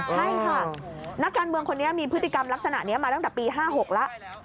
ใช่ค่ะนักการเมืองคนนี้มีพฤติกรรมลักษณะนี้มาตั้งแต่ปี๕๖แล้ว